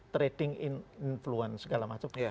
trading influence segala macam